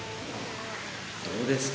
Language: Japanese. どうですか？